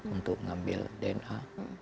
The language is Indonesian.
untuk mengambil dna